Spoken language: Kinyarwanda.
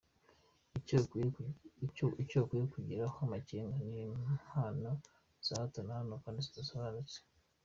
Icyo ukwiye kugiraho amakenga ni impano za hato na hato kandi zidasobanutse.